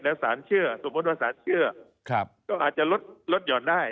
แล้วสารเชื่อสมมุติว่าสารเชื่อก็อาจจะลดหย่อนได้